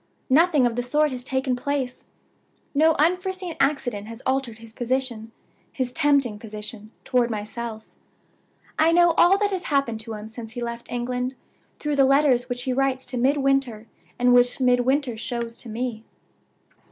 "Nothing of the sort has taken place. No unforeseen accident has altered his position his tempting position toward myself. I know all that has happened to him since he left England, through the letters which he writes to Midwinter, and which Midwinter shows to me.